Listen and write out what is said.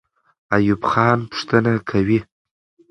ایوب خان پوښتنه کوي.